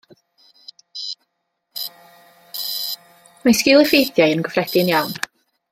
Mae sgil-effeithiau yn gyffredin iawn.